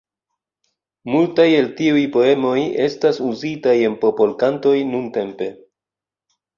Multaj el tiuj poemoj estas uzitaj en popolkantoj nuntempe.